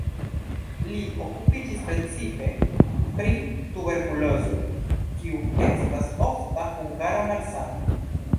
Li okupiĝis precipe pri tuberkulozo, kiu estas ofta hungara malsano.